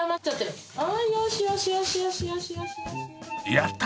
やった！